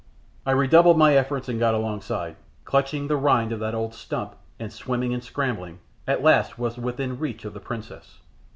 I redoubled my efforts and got alongside, clutching the rind of that old stump, and swimming and scrambling, at last was within reach of the princess.